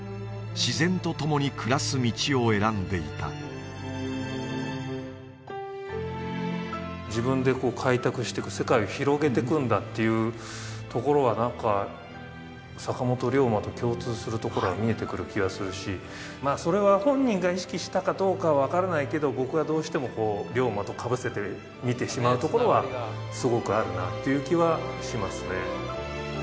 自然と共に暮らす道を選んでいた自分で開拓していく世界を広げていくんだっていうところが何か坂本龍馬と共通するところが見えてくる気がするしそれは本人が意識したかどうかは分からないけど僕はどうしても龍馬とかぶせて見てしまうところはすごくあるなという気はしますね